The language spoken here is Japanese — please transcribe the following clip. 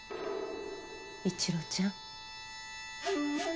一路ちゃん。